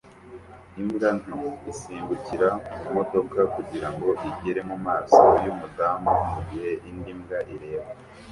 Imbwa nto isimbukira mumodoka kugirango igere mumaso yumudamu mugihe indi mbwa ireba